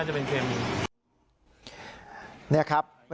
แต่เชื่อว่าน่าจะเป็นเคมี